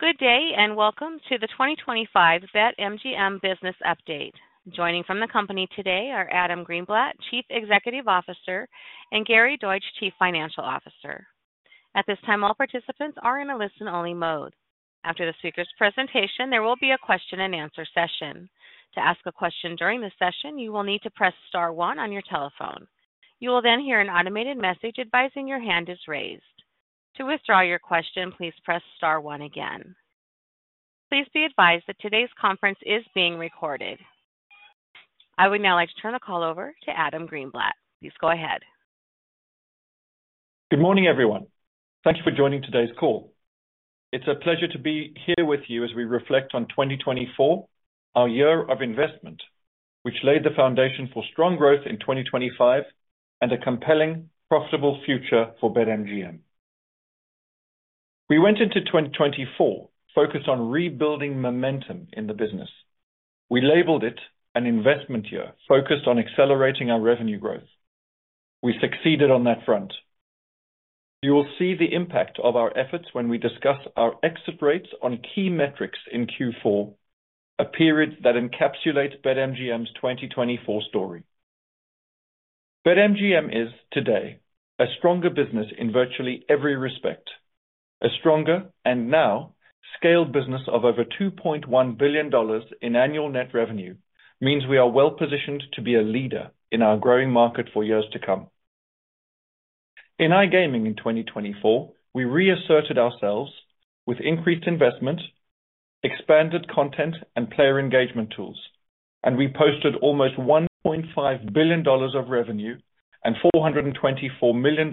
Good day and welcome to the 2025 BetMGM Business Update. Joining from the company today are Adam Greenblatt, Chief Executive Officer, and Gary Deutsch, Chief Financial Officer. At this time, all participants are in a listen-only mode. After the speaker's presentation, there will be a question-and-answer session. To ask a question during the session, you will need to press star one on your telephone. You will then hear an automated message advising your hand is raised. To withdraw your question, please press star one again. Please be advised that today's conference is being recorded. I would now like to turn the call over to Adam Greenblatt. Please go ahead. Good morning, everyone. Thank you for joining today's call. It's a pleasure to be here with you as we reflect on 2024, our year of investment, which laid the foundation for strong growth in 2025 and a compelling, profitable future for BetMGM. We went into 2024 focused on rebuilding momentum in the business. We labeled it an investment year focused on accelerating our revenue growth. We succeeded on that front. You will see the impact of our efforts when we discuss our exit rates on key metrics in Q4, a period that encapsulates BetMGM's 2024 story. BetMGM is, today, a stronger business in virtually every respect. A stronger and, now, scaled business of over $2.1 billion in annual net revenue means we are well-positioned to be a leader in our growing market for years to come. In iGaming in 2024, we reasserted ourselves with increased investment, expanded content, and player engagement tools, and we posted almost $1.5 billion of revenue and $424 million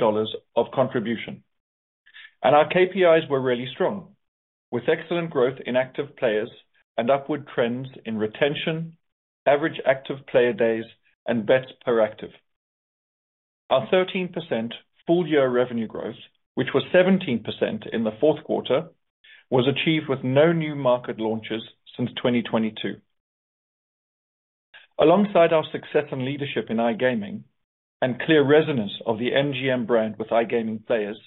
of contribution, and our KPIs were really strong, with excellent growth in active players and upward trends in retention, average active player days, and bets per active. Our 13% full-year revenue growth, which was 17% in the fourth quarter, was achieved with no new market launches since 2022. Alongside our success and leadership in iGaming and clear resonance of the MGM brand with iGaming players,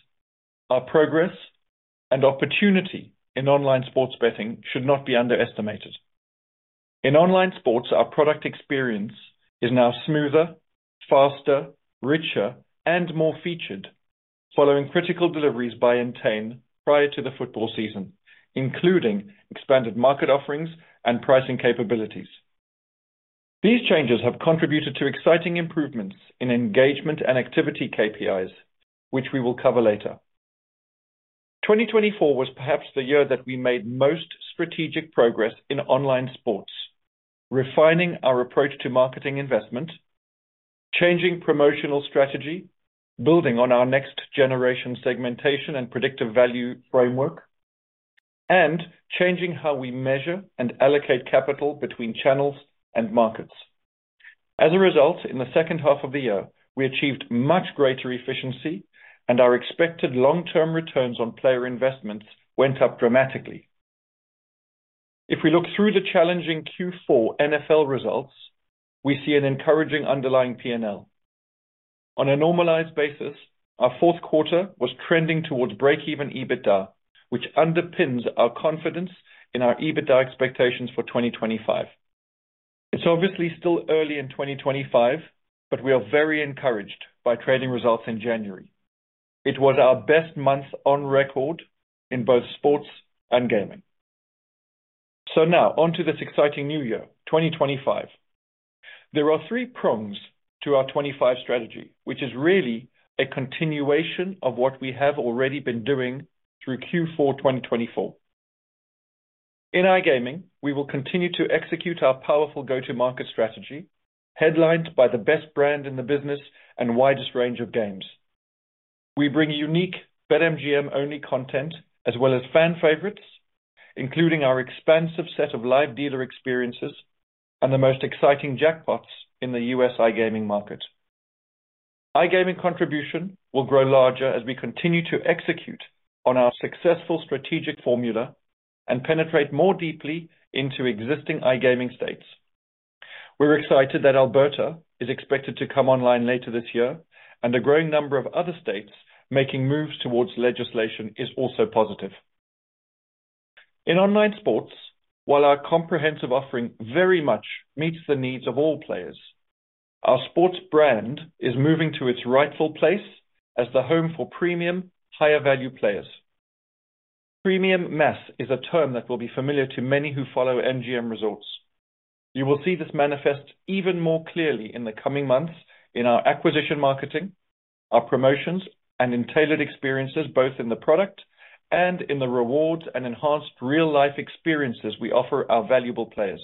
our progress and opportunity in online sports betting should not be underestimated. In online sports, our product experience is now smoother, faster, richer, and more featured, following critical deliveries by Entain prior to the football season, including expanded market offerings and pricing capabilities. These changes have contributed to exciting improvements in engagement and activity KPIs, which we will cover later. 2024 was perhaps the year that we made most strategic progress in online sports, refining our approach to marketing investment, changing promotional strategy, building on our next-generation segmentation and predictive value framework, and changing how we measure and allocate capital between channels and markets. As a result, in the second half of the year, we achieved much greater efficiency, and our expected long-term returns on player investments went up dramatically. If we look through the challenging Q4 NFL results, we see an encouraging underlying P&L. On a normalized basis, our fourth quarter was trending towards break-even EBITDA, which underpins our confidence in our EBITDA expectations for 2025. It's obviously still early in 2025, but we are very encouraged by trading results in January. It was our best month on record in both sports and gaming. So now, on to this exciting new year, 2025. There are three prongs to our '25 strategy, which is really a continuation of what we have already been doing through Q4 2024. In iGaming, we will continue to execute our powerful go-to-market strategy, headlined by the best brand in the business and widest range of games. We bring unique BetMGM-only content as well as fan favorites, including our expansive set of live dealer experiences and the most exciting jackpots in the U.S. iGaming market. iGaming contribution will grow larger as we continue to execute on our successful strategic formula and penetrate more deeply into existing iGaming states. We're excited that Alberta is expected to come online later this year, and a growing number of other states making moves towards legislation is also positive. In online sports, while our comprehensive offering very much meets the needs of all players, our sports brand is moving to its rightful place as the home for premium, higher-value players. Premium mass is a term that will be familiar to many who follow MGM Resorts. You will see this manifest even more clearly in the coming months in our acquisition marketing, our promotions, and in tailored experiences both in the product and in the rewards and enhanced real-life experiences we offer our valuable players.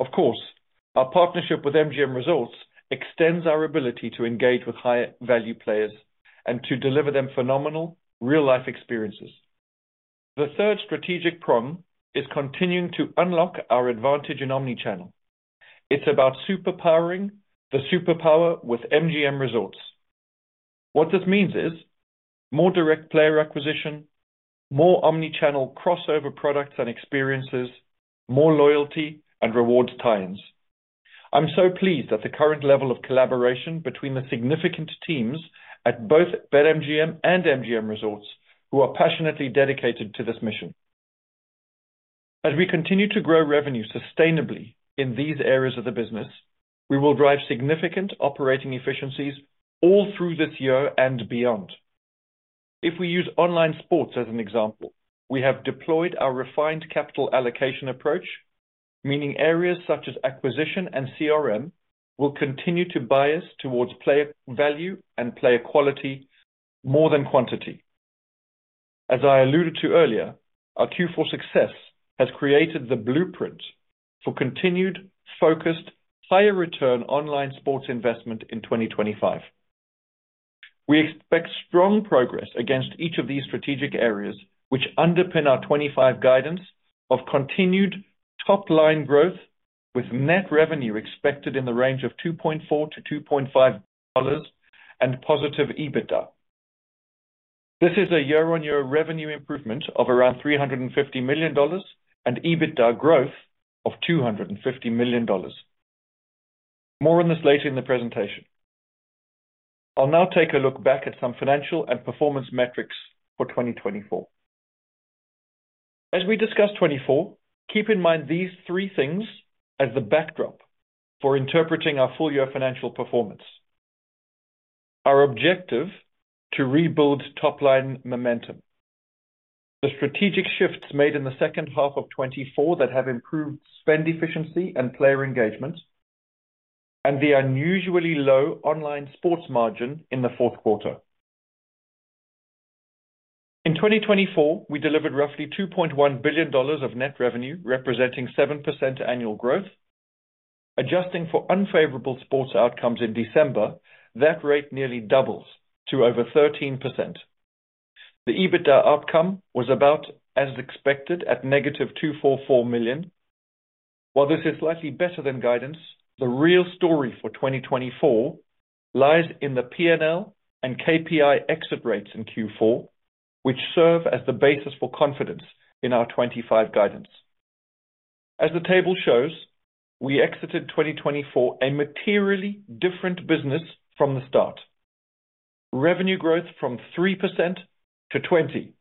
Of course, our partnership with MGM Resorts extends our ability to engage with higher-value players and to deliver them phenomenal, real-life experiences. The third strategic prong is continuing to unlock our advantage in omnichannel. It's about superpowering the superpower with MGM Resorts. What this means is more direct player acquisition, more omnichannel crossover products and experiences, more loyalty and rewards tie-ins. I'm so pleased at the current level of collaboration between the significant teams at both BetMGM and MGM Resorts who are passionately dedicated to this mission. As we continue to grow revenue sustainably in these areas of the business, we will drive significant operating efficiencies all through this year and beyond. If we use online sports as an example, we have deployed our refined capital allocation approach, meaning areas such as acquisition and CRM will continue to bias towards player value and player quality more than quantity. As I alluded to earlier, our Q4 success has created the blueprint for continued, focused, higher-return online sports investment in 2025. We expect strong progress against each of these strategic areas, which underpin our 2025 guidance of continued top-line growth, with net revenue expected in the range of $2.4-$2.5 and positive EBITDA. This is a year-on-year revenue improvement of around $350 million and EBITDA growth of $250 million. More on this later in the presentation. I'll now take a look back at some financial and performance metrics for 2024. As we discuss '24, keep in mind these three things as the backdrop for interpreting our full-year financial performance: our objective to rebuild top-line momentum, the strategic shifts made in the second half of '24 that have improved spend efficiency and player engagement, and the unusually low online sports margin in the fourth quarter. In 2024, we delivered roughly $2.1 billion of net revenue, representing 7% annual growth. Adjusting for unfavorable sports outcomes in December, that rate nearly doubles to over 13%. The EBITDA outcome was about as expected at negative $244 million. While this is slightly better than guidance, the real story for 2024 lies in the P&L and KPI exit rates in Q4, which serve as the basis for confidence in our 2025 guidance. As the table shows, we exited 2024 a materially different business from the start. Revenue growth from 3% to 20%.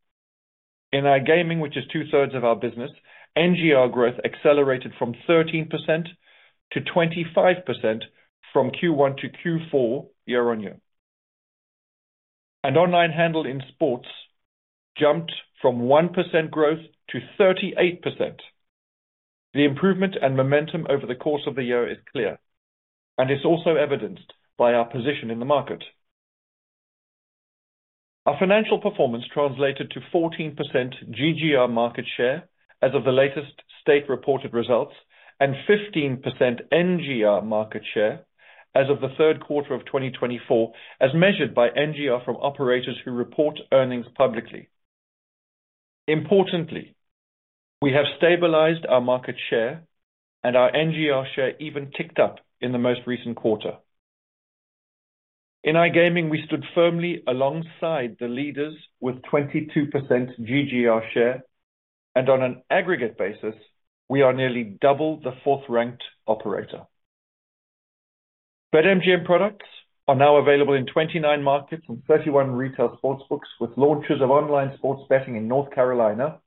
In iGaming, which is two-thirds of our business, NGR growth accelerated from 13% to 25% from Q1 to Q4 year-on-year. And online handle in sports jumped from 1% growth to 38%. The improvement and momentum over the course of the year is clear, and it's also evidenced by our position in the market. Our financial performance translated to 14% GGR market share as of the latest state-reported results and 15% NGR market share as of the third quarter of 2024, as measured by NGR from operators who report earnings publicly. Importantly, we have stabilized our market share, and our NGR share even ticked up in the most recent quarter. In iGaming, we stood firmly alongside the leaders with 22% GGR share, and on an aggregate basis, we are nearly double the fourth-ranked operator. BetMGM products are now available in 29 markets and 31 retail sports books, with launches of online sports betting in North Carolina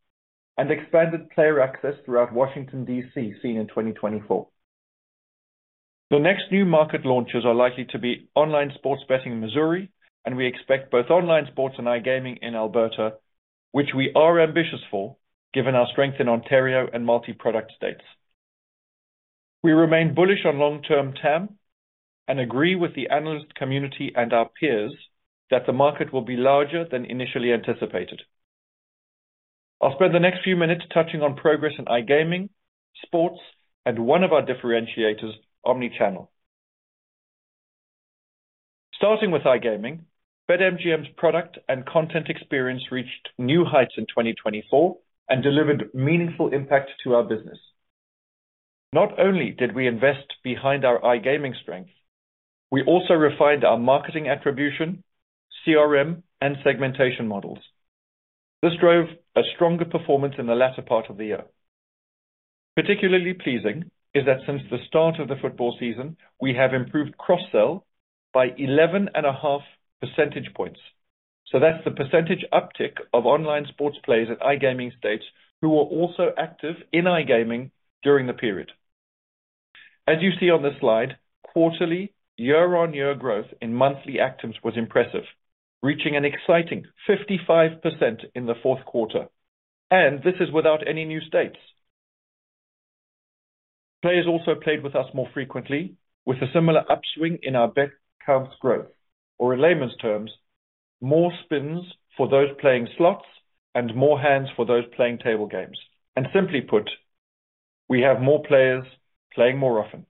and expanded player access throughout Washington, D.C., seen in 2024. The next new market launches are likely to be online sports betting in Missouri, and we expect both online sports and iGaming in Alberta, which we are ambitious for given our strength in Ontario and multi-product states. We remain bullish on long-term TAM and agree with the analyst community and our peers that the market will be larger than initially anticipated. I'll spend the next few minutes touching on progress in iGaming, sports, and one of our differentiators, omnichannel. Starting with iGaming, BetMGM's product and content experience reached new heights in 2024 and delivered meaningful impact to our business. Not only did we invest behind our iGaming strength, we also refined our marketing attribution, CRM, and segmentation models. This drove a stronger performance in the latter part of the year. Particularly pleasing is that since the start of the football season, we have improved cross-sell by 11.5 percentage points. That's the percentage uptick of online sports players at iGaming states who were also active in iGaming during the period. As you see on this slide, quarterly year-on-year growth in monthly actions was impressive, reaching an exciting 55% in the fourth quarter. This is without any new states. Players also played with us more frequently, with a similar upswing in our bet counts growth, or in layman's terms, more spins for those playing slots and more hands for those playing table games, and simply put, we have more players playing more often.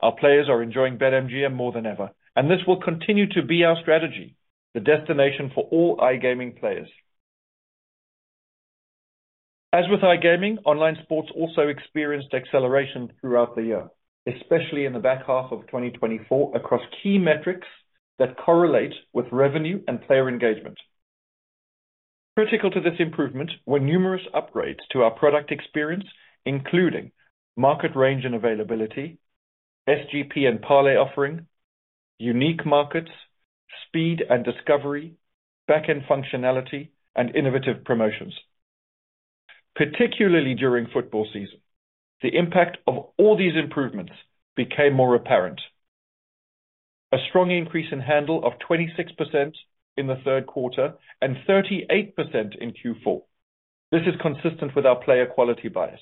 Our players are enjoying BetMGM more than ever, and this will continue to be our strategy, the destination for all iGaming players. As with iGaming, online sports also experienced acceleration throughout the year, especially in the back half of 2024, across key metrics that correlate with revenue and player engagement. Critical to this improvement were numerous upgrades to our product experience, including market range and availability, SGP and parlay offering, unique markets, speed and discovery, back-end functionality, and innovative promotions. Particularly during football season, the impact of all these improvements became more apparent. A strong increase in handle of 26% in the third quarter and 38% in Q4. This is consistent with our player quality bias.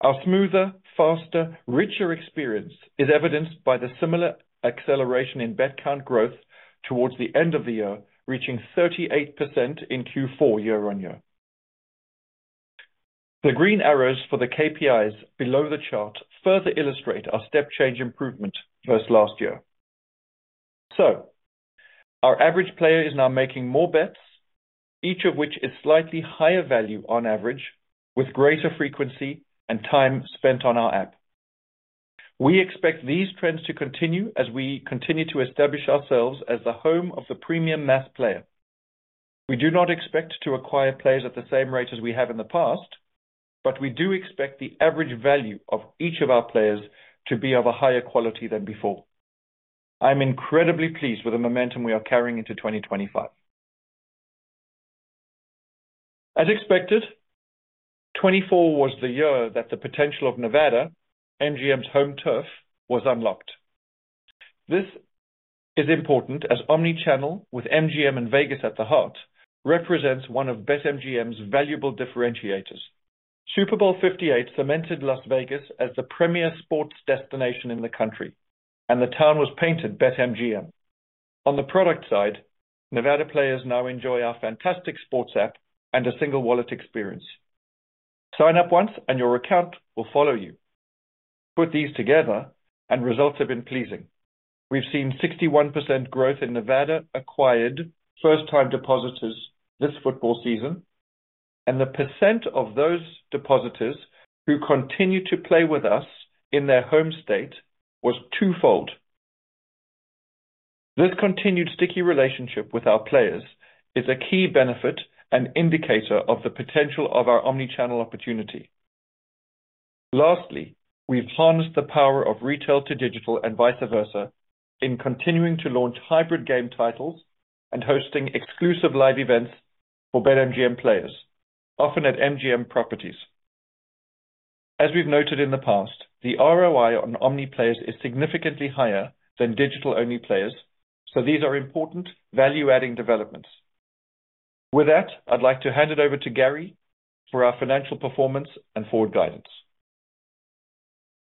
Our smoother, faster, richer experience is evidenced by the similar acceleration in bet count growth towards the end of the year, reaching 38% in Q4 year-on-year. The green arrows for the KPIs below the chart further illustrate our step-change improvement versus last year. So, our average player is now making more bets, each of which is slightly higher value on average, with greater frequency and time spent on our app. We expect these trends to continue as we continue to establish ourselves as the home of the premium mass player. We do not expect to acquire players at the same rate as we have in the past, but we do expect the average value of each of our players to be of a higher quality than before. I'm incredibly pleased with the momentum we are carrying into 2025. As expected, 2024 was the year that the potential of Nevada, MGM's home turf, was unlocked. This is important as omnichannel, with MGM and Vegas at the heart, represents one of BetMGM's valuable differentiators. Super Bowl LVIII cemented Las Vegas as the premier sports destination in the country, and the town was painted BetMGM. On the product side, Nevada players now enjoy our fantastic sports app and a single-wallet experience. Sign up once, and your account will follow you. Put these together, and results have been pleasing. We've seen 61% growth in Nevada-acquired first-time depositors this football season, and the percent of those depositors who continue to play with us in their home state was twofold. This continued sticky relationship with our players is a key benefit and indicator of the potential of our omnichannel opportunity. Lastly, we've harnessed the power of retail to digital and vice versa in continuing to launch hybrid game titles and hosting exclusive live events for BetMGM players, often at MGM properties. As we've noted in the past, the ROI on omni players is significantly higher than digital-only players, so these are important value-adding developments. With that, I'd like to hand it over to Gary for our financial performance and forward guidance.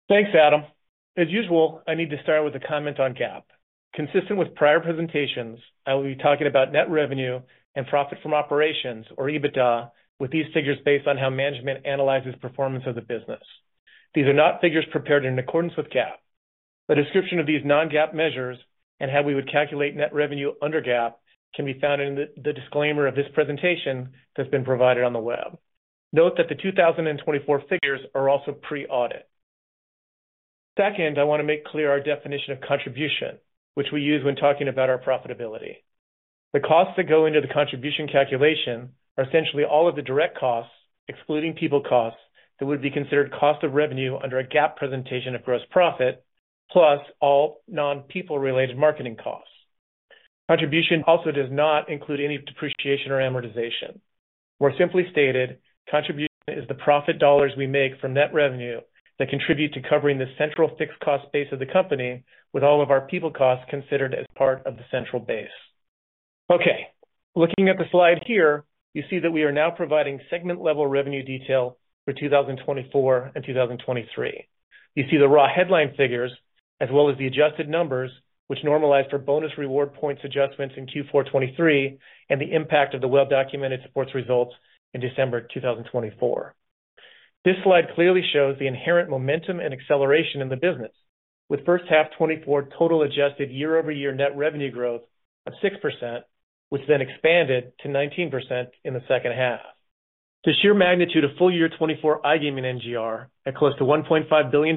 Thanks, Adam. As usual, I need to start with a comment on GAAP. Consistent with prior presentations, I will be talking about net revenue and profit from operations, or EBITDA, with these figures based on how management analyzes performance of the business. These are not figures prepared in accordance with GAAP. A description of these non-GAAP measures and how we would calculate net revenue under GAAP can be found in the disclaimer of this presentation that's been provided on the web. Note that the 2024 figures are also pre-audit. Second, I want to make clear our definition of contribution, which we use when talking about our profitability. The costs that go into the contribution calculation are essentially all of the direct costs, excluding people costs, that would be considered cost of revenue under a GAAP presentation of gross profit, plus all non-people-related marketing costs. Contribution also does not include any depreciation or amortization. More simply stated, contribution is the profit dollars we make from net revenue that contribute to covering the central fixed cost base of the company, with all of our people costs considered as part of the central base. Okay. Looking at the slide here, you see that we are now providing segment-level revenue detail for 2024 and 2023. You see the raw headline figures, as well as the adjusted numbers, which normalize for bonus reward points adjustments in Q4 2023 and the impact of the well-documented sports results in December 2024. This slide clearly shows the inherent momentum and acceleration in the business, with first half 2024 total adjusted year-over-year net revenue growth of 6%, which then expanded to 19% in the second half. The sheer magnitude of full-year 2024 iGaming NGR, at close to $1.5 billion,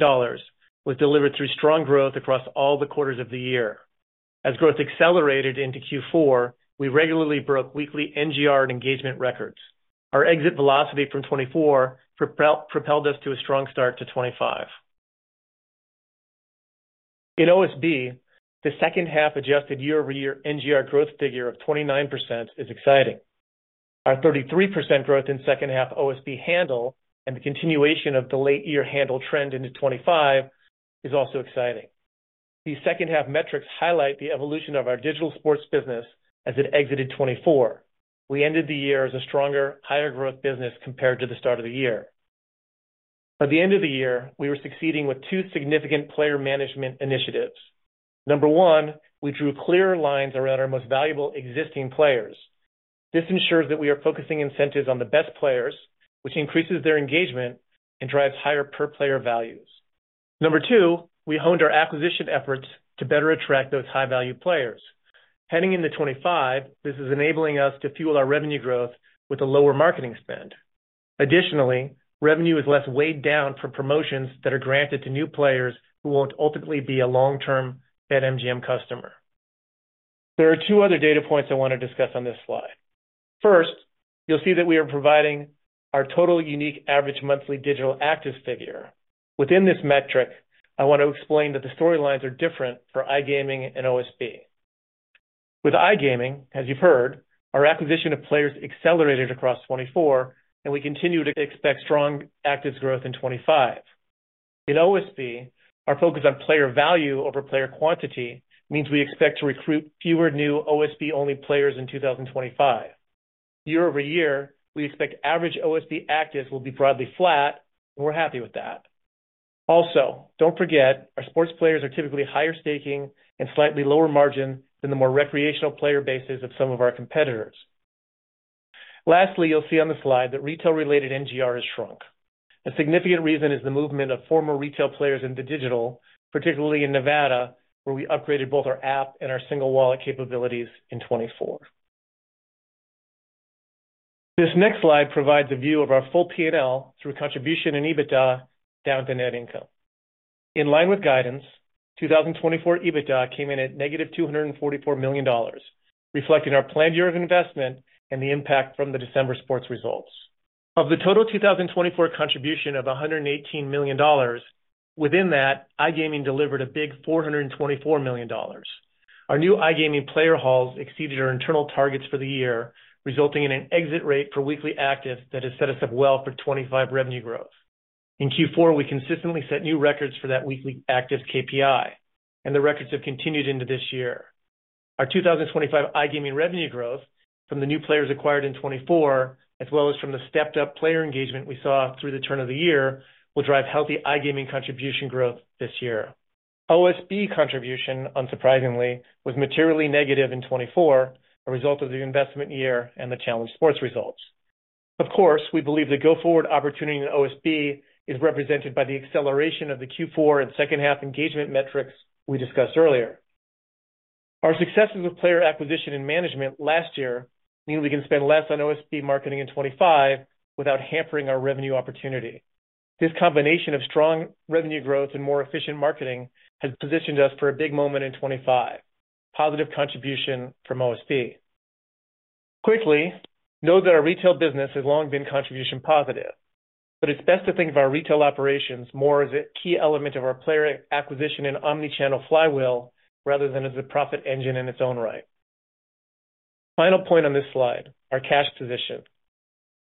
was delivered through strong growth across all the quarters of the year. As growth accelerated into Q4, we regularly broke weekly NGR and engagement records. Our exit velocity from 2024 propelled us to a strong start to 2025. In OSB, the second-half adjusted year-over-year NGR growth figure of 29% is exciting. Our 33% growth in second-half OSB handle and the continuation of the late-year handle trend into 2025 is also exciting. These second-half metrics highlight the evolution of our digital sports business as it exited 2024. We ended the year as a stronger, higher-growth business compared to the start of the year. By the end of the year, we were succeeding with two significant player management initiatives. Number one, we drew clearer lines around our most valuable existing players. This ensures that we are focusing incentives on the best players, which increases their engagement and drives higher per-player values. Number two, we honed our acquisition efforts to better attract those high-value players. Heading into 2025, this is enabling us to fuel our revenue growth with a lower marketing spend. Additionally, revenue is less weighed down for promotions that are granted to new players who won't ultimately be a long-term BetMGM customer. There are two other data points I want to discuss on this slide. First, you'll see that we are providing our total unique average monthly digital active figure. Within this metric, I want to explain that the storylines are different for iGaming and OSB. With iGaming, as you've heard, our acquisition of players accelerated across 2024, and we continue to expect strong active growth in 2025. In OSB, our focus on player value over player quantity means we expect to recruit fewer new OSB-only players in 2025. Year-over-year, we expect average OSB active will be broadly flat, and we're happy with that. Also, don't forget, our sports players are typically higher staking and slightly lower margin than the more recreational player bases of some of our competitors. Lastly, you'll see on the slide that retail-related NGR has shrunk. A significant reason is the movement of former retail players into digital, particularly in Nevada, where we upgraded both our app and our single-wallet capabilities in 2024. This next slide provides a view of our full P&L through contribution and EBITDA down to net income. In line with guidance, 2024 EBITDA came in at negative $244 million, reflecting our planned year of investment and the impact from the December sports results. Of the total 2024 contribution of $118 million, within that, iGaming delivered a big $424 million. Our new iGaming player hauls exceeded our internal targets for the year, resulting in an exit rate for weekly active that has set us up well for 2025 revenue growth. In Q4, we consistently set new records for that weekly active KPI, and the records have continued into this year. Our 2025 iGaming revenue growth from the new players acquired in 2024, as well as from the stepped-up player engagement we saw through the turn of the year, will drive healthy iGaming contribution growth this year. OSB contribution, unsurprisingly, was materially negative in 2024, a result of the investment year and the challenge sports results. Of course, we believe the go-forward opportunity in OSB is represented by the acceleration of the Q4 and second-half engagement metrics we discussed earlier. Our successes with player acquisition and management last year mean we can spend less on OSB marketing in 2025 without hampering our revenue opportunity. This combination of strong revenue growth and more efficient marketing has positioned us for a big moment in 2025. Positive contribution from OSB. Quickly, note that our retail business has long been contribution positive, but it's best to think of our retail operations more as a key element of our player acquisition and omnichannel flywheel rather than as a profit engine in its own right. Final point on this slide: our cash position.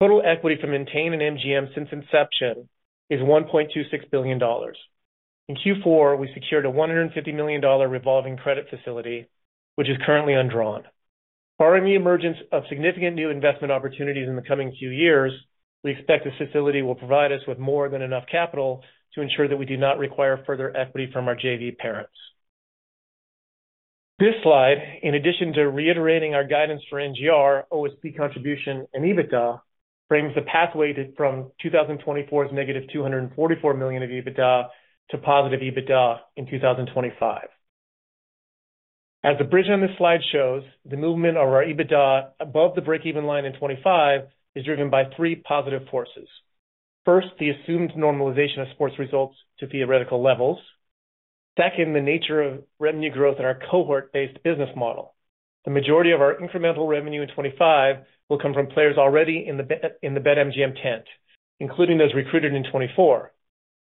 Total equity for Entain and MGM since inception is $1.26 billion. In Q4, we secured a $150 million revolving credit facility, which is currently undrawn. Barring the emergence of significant new investment opportunities in the coming few years, we expect this facility will provide us with more than enough capital to ensure that we do not require further equity from our JV parents. This slide, in addition to reiterating our guidance for NGR, OSB contribution, and EBITDA, frames the pathway from 2024's negative $244 million of EBITDA to positive EBITDA in 2025. As the bridge on this slide shows, the movement of our EBITDA above the break-even line in 2025 is driven by three positive forces. First, the assumed normalization of sports results to theoretical levels. Second, the nature of revenue growth in our cohort-based business model. The majority of our incremental revenue in 2025 will come from players already in the BetMGM tent, including those recruited in 2024.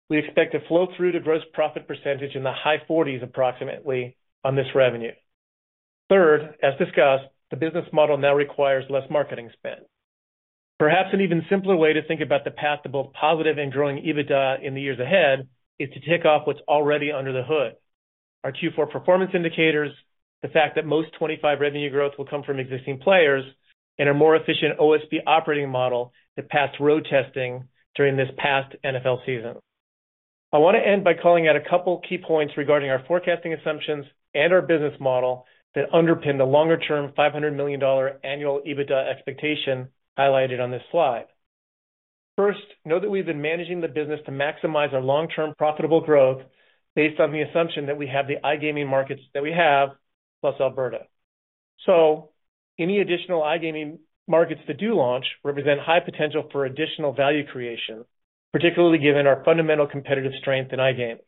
We expect a flow-through to gross profit percentage in the high 40s% approximately on this revenue. Third, as discussed, the business model now requires less marketing spend. Perhaps an even simpler way to think about the path to both positive and growing EBITDA in the years ahead is to take off what's already under the hood: our Q4 performance indicators, the fact that most 2025 revenue growth will come from existing players, and our more efficient OSB operating model that passed road testing during this past NFL season. I want to end by calling out a couple of key points regarding our forecasting assumptions and our business model that underpin the longer-term $500 million annual EBITDA expectation highlighted on this slide. First, know that we've been managing the business to maximize our long-term profitable growth based on the assumption that we have the iGaming markets that we have plus Alberta. So, any additional iGaming markets to do launch represent high potential for additional value creation, particularly given our fundamental competitive strength in iGaming.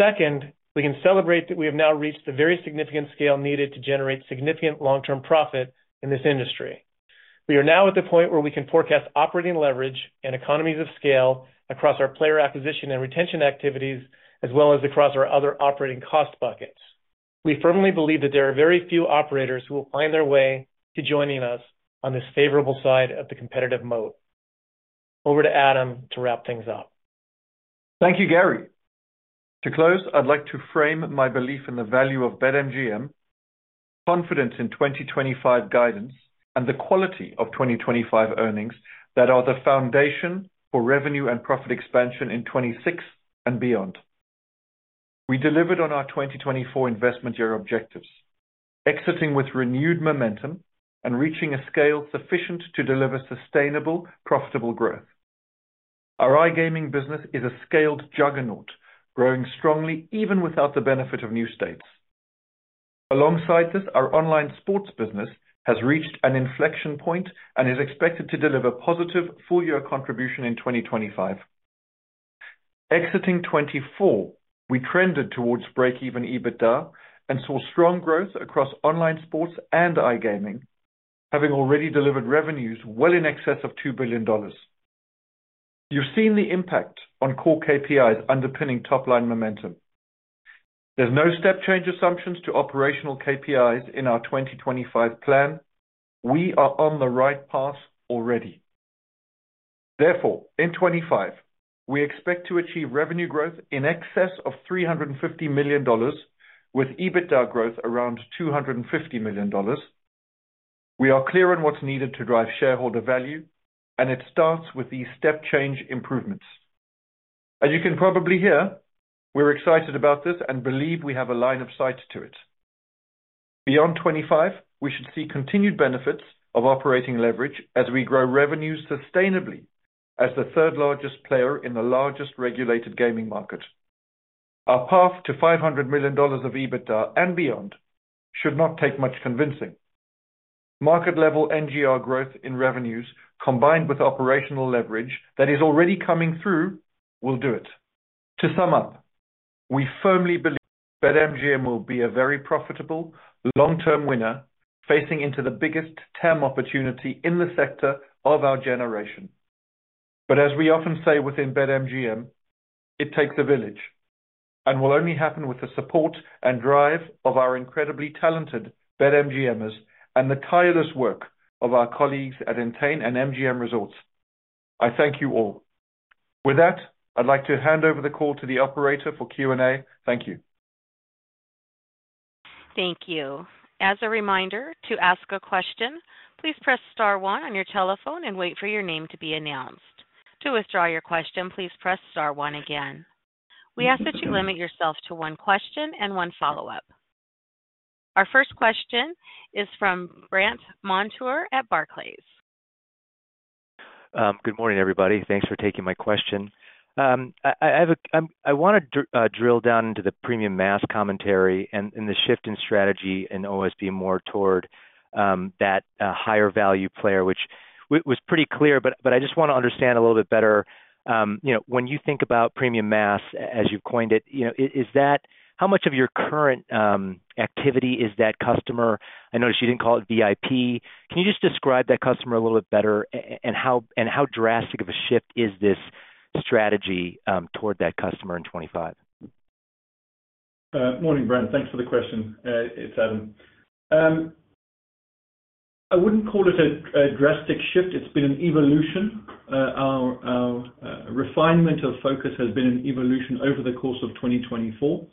Second, we can celebrate that we have now reached the very significant scale needed to generate significant long-term profit in this industry. We are now at the point where we can forecast operating leverage and economies of scale across our player acquisition and retention activities, as well as across our other operating cost buckets. We firmly believe that there are very few operators who will find their way to joining us on this favorable side of the competitive moat. Over to Adam to wrap things up. Thank you, Gary. To close, I'd like to frame my belief in the value of BetMGM, confidence in 2025 guidance, and the quality of 2025 earnings that are the foundation for revenue and profit expansion in 2026 and beyond. We delivered on our 2024 investment year objectives, exiting with renewed momentum and reaching a scale sufficient to deliver sustainable, profitable growth. Our iGaming business is a scaled juggernaut, growing strongly even without the benefit of new states. Alongside this, our online sports business has reached an inflection point and is expected to deliver positive full-year contribution in 2025. Exiting 2024, we trended towards break-even EBITDA and saw strong growth across online sports and iGaming, having already delivered revenues well in excess of $2 billion. You've seen the impact on core KPIs underpinning top-line momentum. There's no step-change assumptions to operational KPIs in our 2025 plan. We are on the right path already. Therefore, in 2025, we expect to achieve revenue growth in excess of $350 million, with EBITDA growth around $250 million. We are clear on what's needed to drive shareholder value, and it starts with these step-change improvements. As you can probably hear, we're excited about this and believe we have a line of sight to it. Beyond 2025, we should see continued benefits of operating leverage as we grow revenues sustainably as the third-largest player in the largest regulated gaming market. Our path to $500 million of EBITDA and beyond should not take much convincing. Market-level NGR growth in revenues, combined with operational leverage that is already coming through, will do it. To sum up, we firmly believe BetMGM will be a very profitable, long-term winner facing into the biggest TAM opportunity in the sector of our generation. But as we often say within BetMGM, it takes a village, and will only happen with the support and drive of our incredibly talented BetMGMers and the tireless work of our colleagues at Entain and MGM Resorts. I thank you all. With that, I'd like to hand over the call to the operator for Q&A. Thank you. Thank you. As a reminder, to ask a question, please press star one on your telephone and wait for your name to be announced. To withdraw your question, please press star one again. We ask that you limit yourself to one question and one follow-up. Our first question is from Brandt Montour at Barclays. Good morning, everybody. Thanks for taking my question. I want to drill down into the premium mass commentary and the shift in strategy in OSB more toward that higher-value player, which was pretty clear, but I just want to understand a little bit better. When you think about premium mass, as you've coined it, how much of your current activity is that customer? I noticed you didn't call it VIP. Can you just describe that customer a little bit better, and how drastic of a shift is this strategy toward that customer in 2025? Morning, Brandt. Thanks for the question. It's Adam. I wouldn't call it a drastic shift. It's been an evolution. Our refinement of focus has been an evolution over the course of 2024.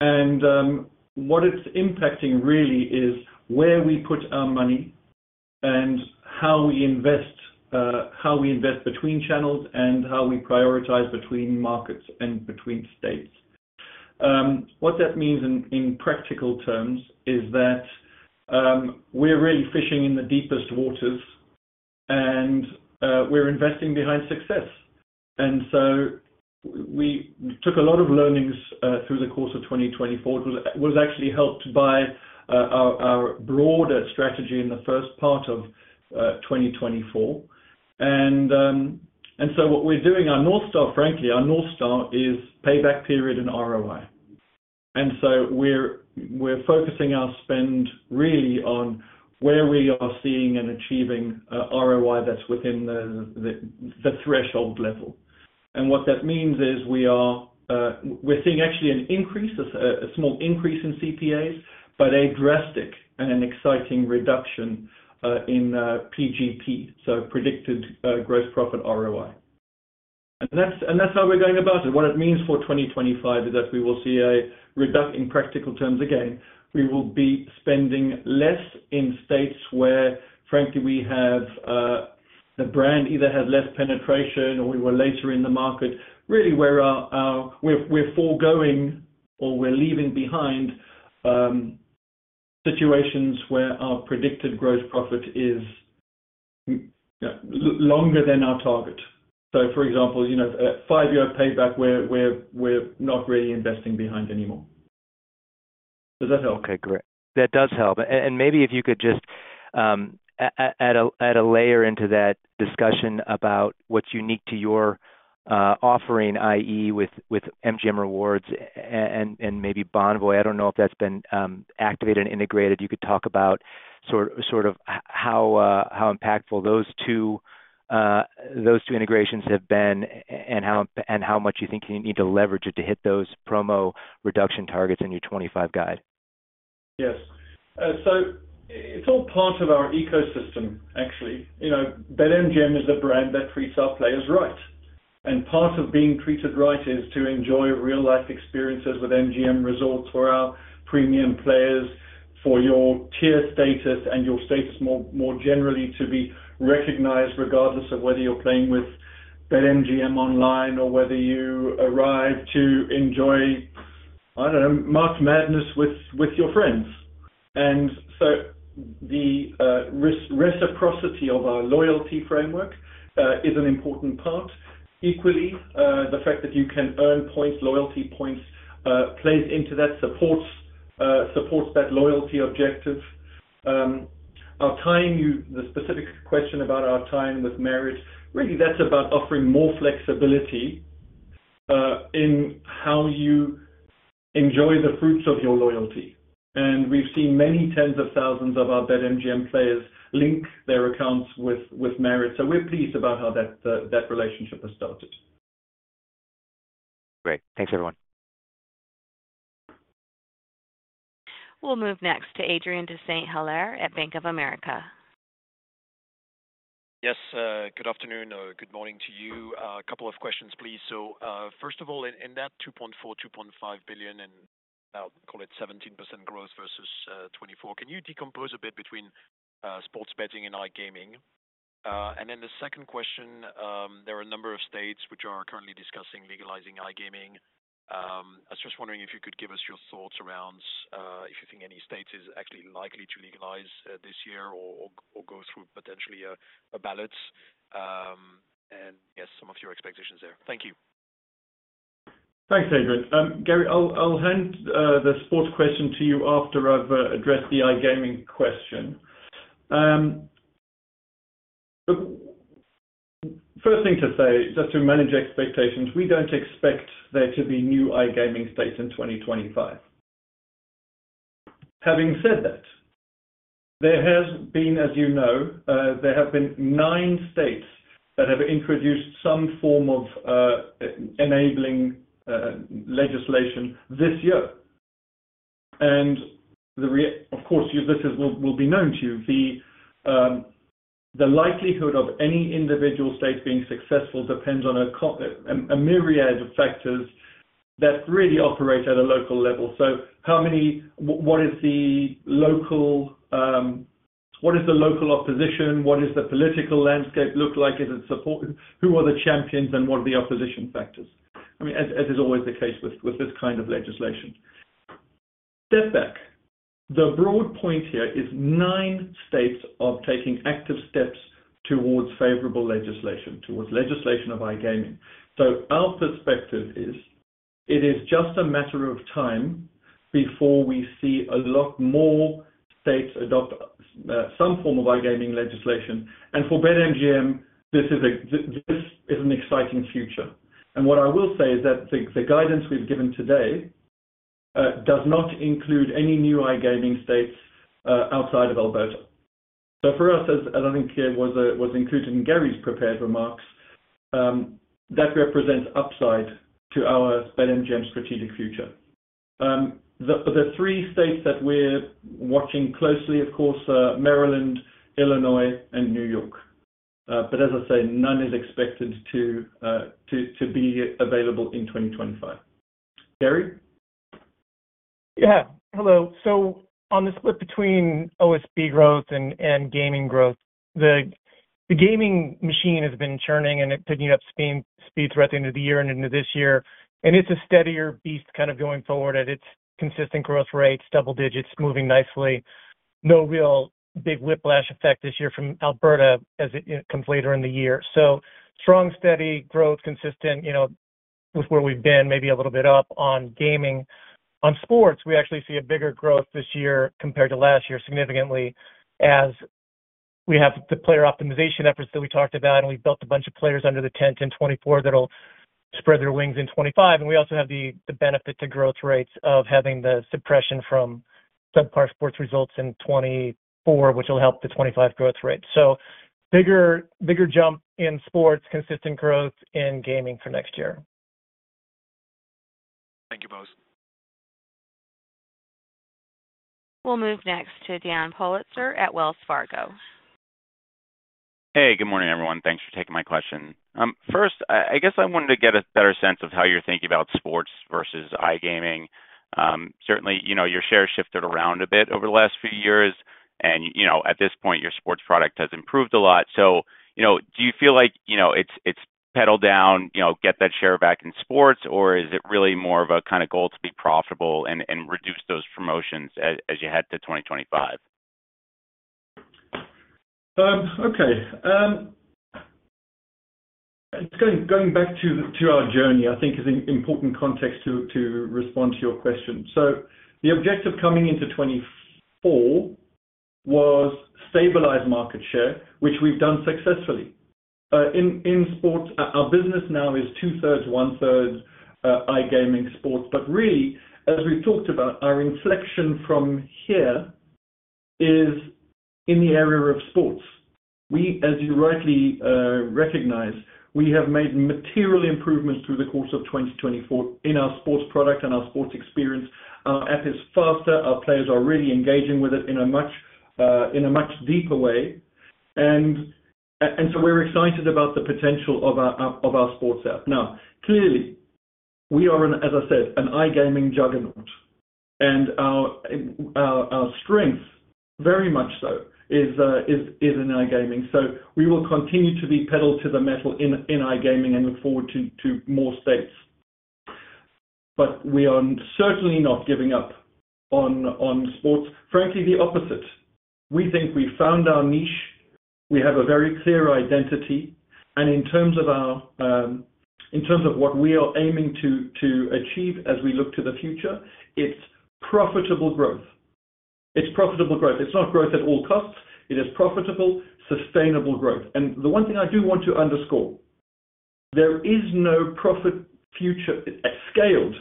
And what it's impacting really is where we put our money and how we invest, how we invest between channels, and how we prioritize between markets and between states. What that means in practical terms is that we're really fishing in the deepest waters, and we're investing behind success. And so we took a lot of learnings through the course of 2024. It was actually helped by our broader strategy in the first part of 2024. And so what we're doing, our North Star, frankly, our North Star is payback period and ROI. And so we're focusing our spend really on where we are seeing and achieving ROI that's within the threshold level. What that means is we're seeing actually a small increase in CPAs, but a drastic and an exciting reduction in PGP, so predicted gross profit ROI. That's how we're going about it. What it means for 2025 is that we will see a reduction in practical terms. Again, we will be spending less in states where, frankly, the brand either has less penetration or we were later in the market. Really, we're foregoing or we're leaving behind situations where our predicted gross profit is longer than our target. For example, at five-year payback, we're not really investing behind anymore. Does that help? Okay, great. That does help. Maybe if you could just add a layer into that discussion about what's unique to your offering, i.e., with MGM Rewards and maybe Bonvoy. I don't know if that's been activated and integrated. You could talk about sort of how impactful those two integrations have been and how much you think you need to leverage it to hit those promo reduction targets in your 2025 guide. Yes. So it's all part of our ecosystem, actually. BetMGM is a brand that treats our players right. And part of being treated right is to enjoy real-life experiences with MGM Resorts for our premium players, for your tier status and your status more generally to be recognized regardless of whether you're playing with BetMGM online or whether you arrive to enjoy, I don't know, March Madness with your friends. And so the reciprocity of our loyalty framework is an important part. Equally, the fact that you can earn points, loyalty points, plays into that, supports that loyalty objective. The specific question about our tie-in with Marriott, really, that's about offering more flexibility in how you enjoy the fruits of your loyalty. And we've seen many tens of thousands of our BetMGM players link their accounts with Marriott. So we're pleased about how that relationship has started. Great. Thanks, everyone. We'll move next to Adrien de Saint Hilaire at Bank of America. Yes. Good afternoon or good morning to you. A couple of questions, please. So first of all, in that $2.4-$2.5 billion, and I'll call it 17% growth versus 2024, can you decompose a bit between sports betting and iGaming? And then the second question, there are a number of states which are currently discussing legalizing iGaming. I was just wondering if you could give us your thoughts around if you think any state is actually likely to legalize this year or go through potentially a ballot. Yes, some of your expectations there. Thank you. Thanks, Adrian. Gary, I'll hand the sports question to you after I've addressed the iGaming question. First thing to say, just to manage expectations, we don't expect there to be new iGaming states in 2025. Having said that, there has been, as you know, there have been nine states that have introduced some form of enabling legislation this year. And of course, this will be known to you. The likelihood of any individual state being successful depends on a myriad of factors that really operate at a local level. So what is the local opposition? What does the political landscape look like? Who are the champions and what are the opposition factors? I mean, as is always the case with this kind of legislation. Step back. The broad point here is nine states are taking active steps towards favorable legislation towards legislation of iGaming, so our perspective is it is just a matter of time before we see a lot more states adopt some form of iGaming legislation, and for BetMGM, this is an exciting future, and what I will say is that the guidance we've given today does not include any new iGaming states outside of Alberta, so for us, as I think was included in Gary's prepared remarks, that represents upside to our BetMGM strategic future. The three states that we're watching closely, of course, Maryland, Illinois, and New York, but as I say, none is expected to be available in 2025. Gary? Yeah. Hello. So on the split between OSB growth and gaming growth, the gaming machine has been churning, and it could pick up speed throughout the end of the year and into this year. And it's a steadier beast kind of going forward at its consistent growth rates, double digits, moving nicely. No real big whiplash effect this year from Alberta as it comes later in the year. So strong, steady growth, consistent with where we've been, maybe a little bit up on gaming. On sports, we actually see a bigger growth this year compared to last year significantly as we have the player optimization efforts that we talked about, and we've built a bunch of players under the tent in 2024 that'll spread their wings in 2025. We also have the benefit to growth rates of having the suppression from subpar sports results in 2024, which will help the 2025 growth rate. So bigger jump in sports, consistent growth in gaming for next year. Thank you both. We'll move next to Dan Politzer at Wells Fargo. Hey, good morning, everyone. Thanks for taking my question. First, I guess I wanted to get a better sense of how you're thinking about sports versus iGaming. Certainly, your share shifted around a bit over the last few years, and at this point, your sports product has improved a lot. So do you feel like it's pedal down, get that share back in sports, or is it really more of a kind of goal to be profitable and reduce those promotions as you head to 2025? Okay. Going back to our journey, I think, is an important context to respond to your question. So the objective coming into 2024 was stabilize market share, which we've done successfully. In sports, our business now is two-thirds, one-third iGaming sports. But really, as we've talked about, our inflection from here is in the area of sports. As you rightly recognize, we have made material improvements through the course of 2024 in our sports product and our sports experience. Our app is faster. Our players are really engaging with it in a much deeper way. And so we're excited about the potential of our sports app. Now, clearly, we are, as I said, an iGaming juggernaut. And our strength, very much so, is in iGaming. So we will continue to be pedal to the metal in iGaming and look forward to more states. But we are certainly not giving up on sports. Frankly, the opposite. We think we found our niche. We have a very clear identity. And in terms of what we are aiming to achieve as we look to the future, it's profitable growth. It's profitable growth. It's not growth at all costs. It is profitable, sustainable growth. And the one thing I do want to underscore, there is no scaled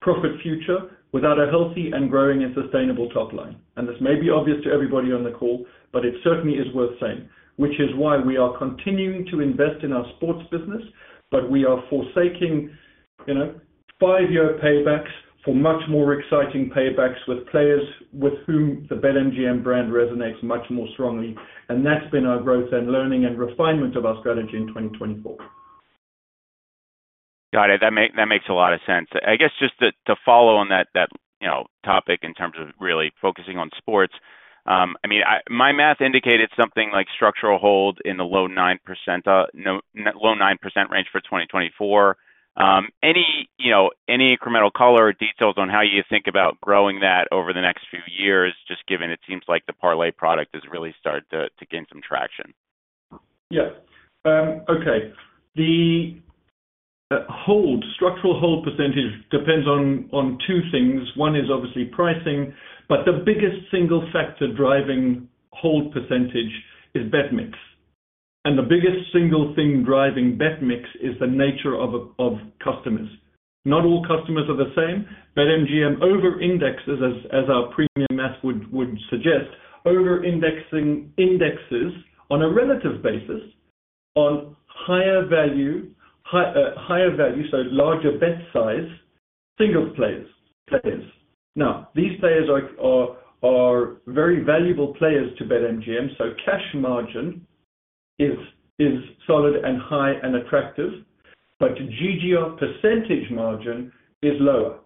profit future without a healthy and growing and sustainable top line. And this may be obvious to everybody on the call, but it certainly is worth saying, which is why we are continuing to invest in our sports business, but we are forsaking five-year paybacks for much more exciting paybacks with players with whom the BetMGM brand resonates much more strongly. And that's been our growth and learning and refinement of our strategy in 2024. Got it. That makes a lot of sense. I guess just to follow on that topic in terms of really focusing on sports, I mean, my math indicated something like structural hold in the low 9% range for 2024. Any incremental color or details on how you think about growing that over the next few years, just given it seems like the Parlay product has really started to gain some traction? Yes. Okay. The structural hold percentage depends on two things. One is obviously pricing, but the biggest single factor driving hold percentage is bet mix. And the biggest single thing driving bet mix is the nature of customers. Not all customers are the same. BetMGM over-indexes, as our premium mass would suggest, over-indexes on a relative basis on higher value, so larger bet size single players. Now, these players are very valuable players to BetMGM. So cash margin is solid and high and attractive, but GGR percentage margin is lower.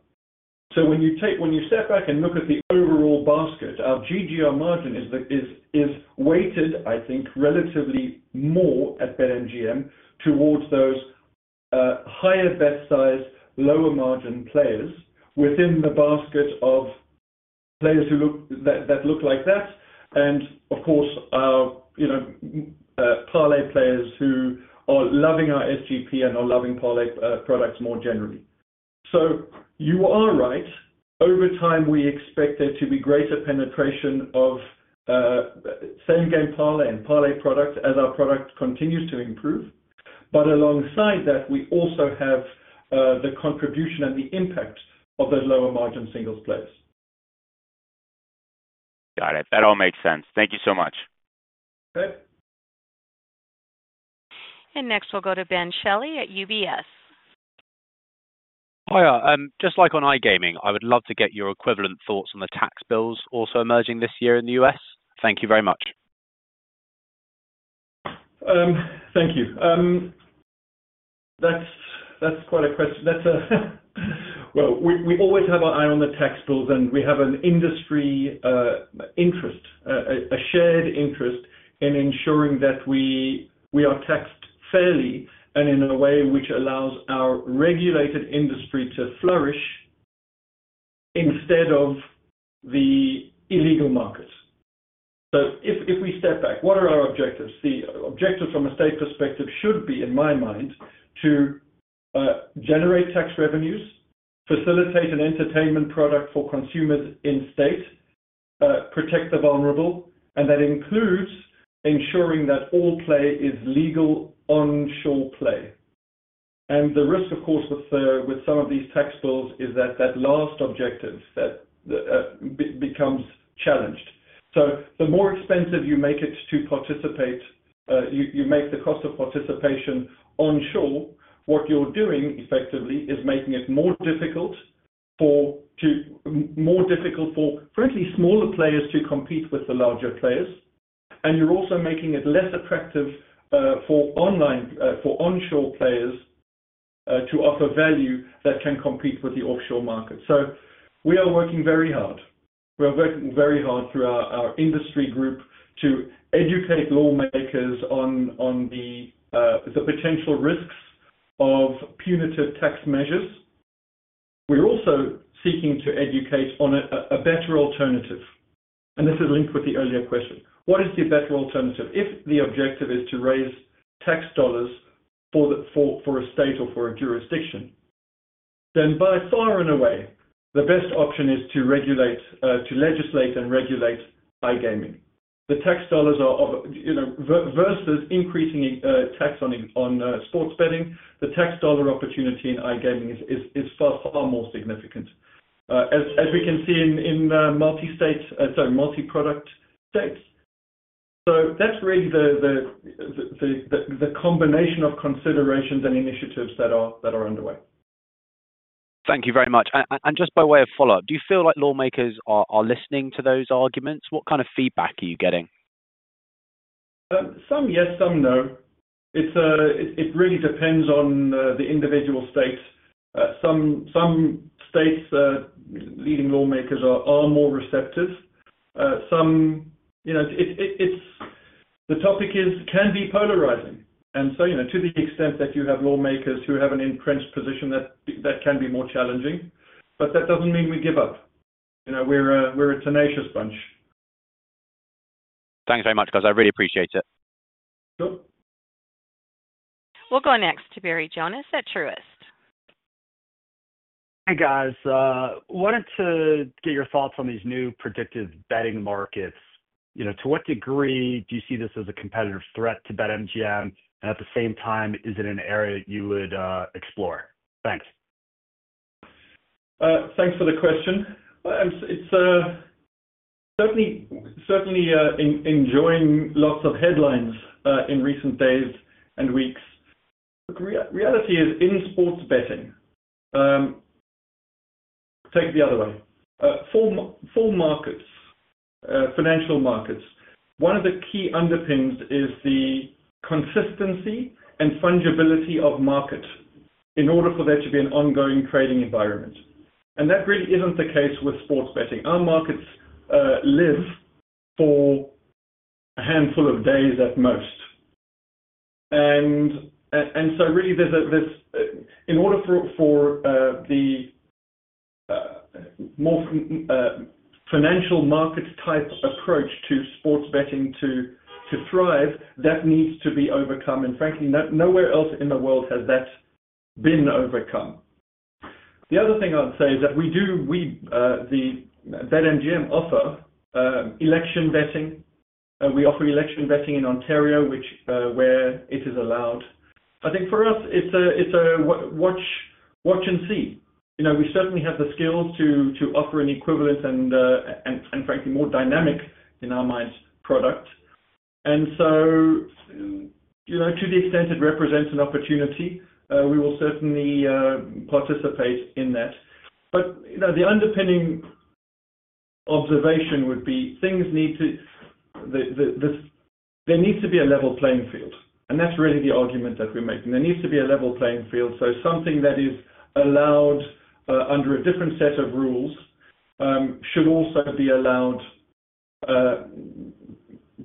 So when you step back and look at the overall basket, our GGR margin is weighted, I think, relatively more at BetMGM towards those higher bet size, lower margin players within the basket of players that look like that. And of course, our Parlay players who are loving our SGP and are loving Parlay products more generally. So you are right. Over time, we expect there to be greater penetration of same-game Parlay and Parlay products as our product continues to improve. But alongside that, we also have the contribution and the impact of those lower margin single players. Got it. That all makes sense. Thank you so much. Okay. And next, we'll go to Ben Shelley at UBS. Hiya. Just like on iGaming, I would love to get your equivalent thoughts on the tax bills also emerging this year in the U.S. Thank you very much. Thank you. That's quite a question. Well, we always have our eye on the tax bills, and we have an industry interest, a shared interest in ensuring that we are taxed fairly and in a way which allows our regulated industry to flourish instead of the illegal markets. So if we step back, what are our objectives? The objectives from a state perspective should be, in my mind, to generate tax revenues, facilitate an entertainment product for consumers in state, protect the vulnerable, and that includes ensuring that all play is legal onshore play, and the risk, of course, with some of these tax bills is that that last objective becomes challenged. So, the more expensive you make it to participate, you make the cost of participation onshore. What you're doing effectively is making it more difficult for, frankly, smaller players to compete with the larger players. And you're also making it less attractive for onshore players to offer value that can compete with the offshore market. So we are working very hard. We are working very hard through our industry group to educate lawmakers on the potential risks of punitive tax measures. We're also seeking to educate on a better alternative. And this is linked with the earlier question. What is the better alternative? If the objective is to raise tax dollars for a state or for a jurisdiction, then by far and away, the best option is to legislate and regulate iGaming. The tax dollars are versus increasing tax on sports betting, the tax dollar opportunity in iGaming is far, far more significant, as we can see in multi-state, sorry, multi-product states, so that's really the combination of considerations and initiatives that are underway. Thank you very much, and just by way of follow-up, do you feel like lawmakers are listening to those arguments? What kind of feedback are you getting? Some, yes. Some, no. It really depends on the individual states. Some states, leading lawmakers are more receptive. The topic can be polarizing, and so to the extent that you have lawmakers who have an entrenched position, that can be more challenging, but that doesn't mean we give up. We're a tenacious bunch. Thanks very much, guys. I really appreciate it. We'll go next to Barry Jonas at Truist. Hey, guys. I wanted to get your thoughts on these new predictive betting markets. To what degree do you see this as a competitive threat to BetMGM? And at the same time, is it an area you would explore? Thanks. Thanks for the question. It's certainly enjoying lots of headlines in recent days and weeks. The reality is in sports betting, take the other way, full markets, financial markets, one of the key underpins is the consistency and fungibility of market in order for there to be an ongoing trading environment. And that really isn't the case with sports betting. Our markets live for a handful of days at most. And so really, in order for the more financial market-type approach to sports betting to thrive, that needs to be overcome. And frankly, nowhere else in the world has that been overcome. The other thing I'd say is that we do, the BetMGM, offer election betting. We offer election betting in Ontario, where it is allowed. I think for us, it's a watch and see. We certainly have the skills to offer an equivalent and, frankly, more dynamic in our minds product. And so to the extent it represents an opportunity, we will certainly participate in that. But the underpinning observation would be things need to, there needs to be a level playing field. And that's really the argument that we're making. There needs to be a level playing field. So something that is allowed under a different set of rules should also be allowed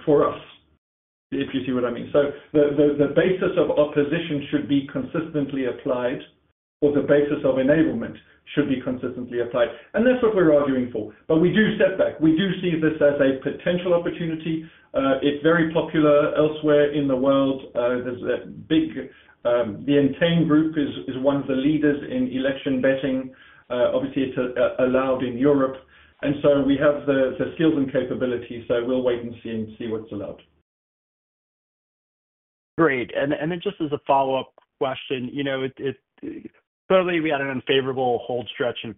for us, if you see what I mean. So the basis of opposition should be consistently applied, or the basis of enablement should be consistently applied. And that's what we're arguing for. But we do step back. We do see this as a potential opportunity. It's very popular elsewhere in the world. The Entain Group is one of the leaders in election betting. Obviously, it's allowed in Europe. And so we have the skills and capabilities. So we'll wait and see what's allowed. Great. And then just as a follow-up question, clearly, we had an unfavorable hold stretch in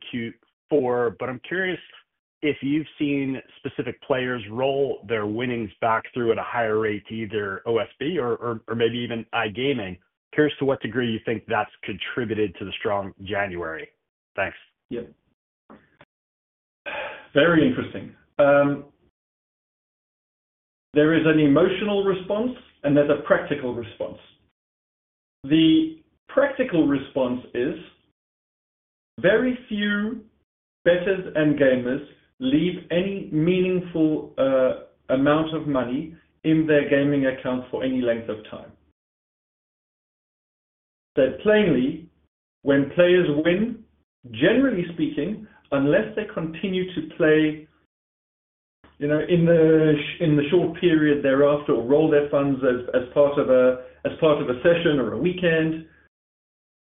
Q4, but I'm curious if you've seen specific players roll their winnings back through at a higher rate, either OSB or maybe even iGaming. Curious to what degree you think that's contributed to the strong January. Thanks. Yep. Very interesting. There is an emotional response, and there's a practical response. The practical response is very few bettors and gamers leave any meaningful amount of money in their gaming accounts for any length of time. That plainly, when players win, generally speaking, unless they continue to play in the short period thereafter or roll their funds as part of a session or a weekend,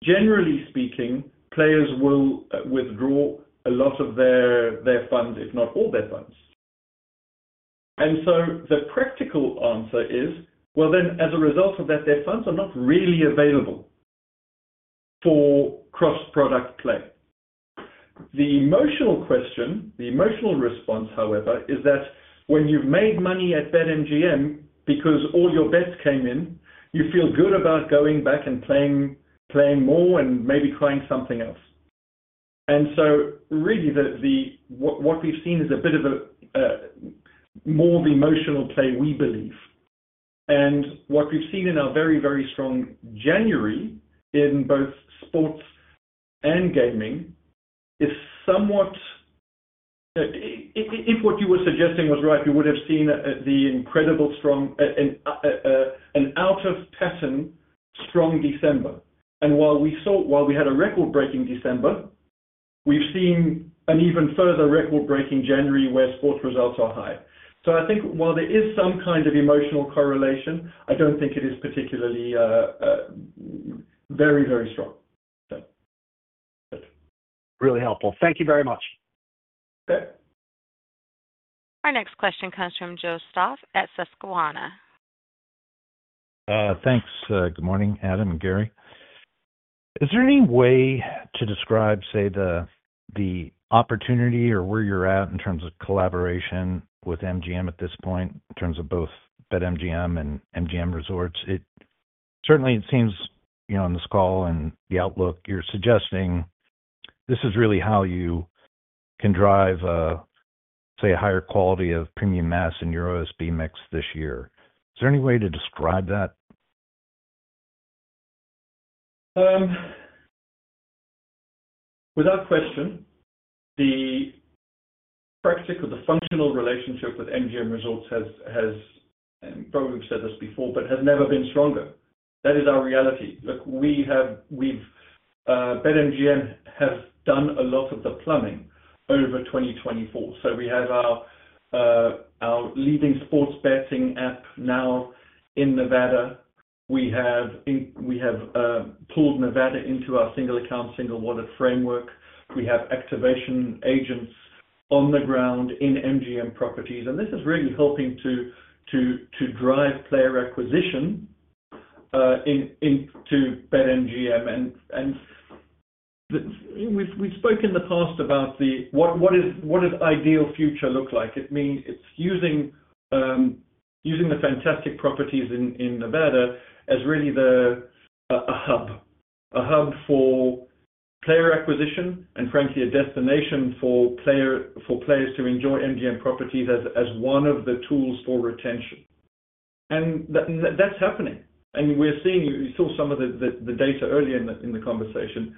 generally speaking, players will withdraw a lot of their funds, if not all their funds, and so the practical answer is, well, then as a result of that, their funds are not really available for cross-product play. The emotional question, the emotional response, however, is that when you've made money at BetMGM because all your bets came in, you feel good about going back and playing more and maybe trying something else, and so really, what we've seen is a bit of more of emotional play, we believe. And what we've seen in our very, very strong January in both sports and gaming is somewhat—if what you were suggesting was right, we would have seen the incredible strong and out-of-pattern strong December. And while we had a record-breaking December, we've seen an even further record-breaking January where sports results are high. So I think while there is some kind of emotional correlation, I don't think it is particularly very, very strong. Really helpful. Thank you very much. Okay. Our next question comes from Joseph Stauff. Thanks. Good morning, Adam and Gary. Is there any way to describe, say, the opportunity or where you're at in terms of collaboration with MGM at this point, in terms of both BetMGM and MGM Resorts? Certainly, it seems on this call and the outlook you're suggesting, this is really how you can drive, say, a higher quality of premium mass in your OSB mix this year. Is there any way to describe that? Without question, the practical, the functional relationship with MGM Resorts has, and probably we've said this before, but has never been stronger. That is our reality. Look, we've, BetMGM has done a lot of the plumbing over 2024. So we have our leading sports betting app now in Nevada. We have pulled Nevada into our single-account, single-wallet framework. We have activation agents on the ground in MGM properties. And this is really helping to drive player acquisition into BetMGM. And we've spoken in the past about what does ideal future look like? It's using the fantastic properties in Nevada as really a hub for player acquisition and, frankly, a destination for players to enjoy MGM properties as one of the tools for retention, and that's happening, and we're seeing—you saw some of the data earlier in the conversation.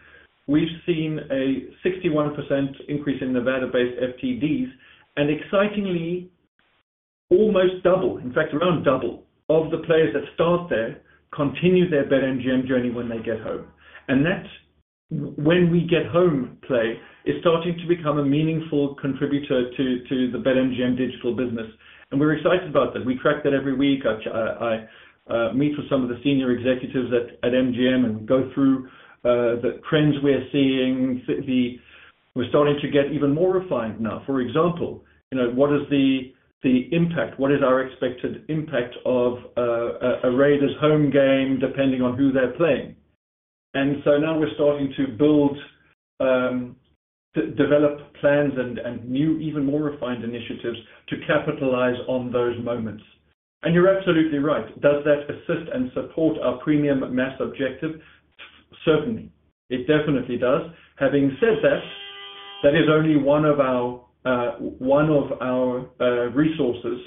We've seen a 61% increase in Nevada-based FTDs, and excitingly, almost double, in fact, around double of the players that start there continue their BetMGM journey when they get home, and that, when we get home play, is starting to become a meaningful contributor to the BetMGM digital business, and we're excited about that. We track that every week. I meet with some of the senior executives at MGM and go through the trends we're seeing. We're starting to get even more refined now. For example, what is the impact? What is our expected impact of a Raiders home game depending on who they're playing? And so now we're starting to build, develop plans and new, even more refined initiatives to capitalize on those moments. And you're absolutely right. Does that assist and support our premium mass objective? Certainly. It definitely does. Having said that, that is only one of our resources